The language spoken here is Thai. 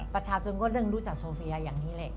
ประชาชนก็เริ่มรู้จักโซเฟียอย่างนี้แหละ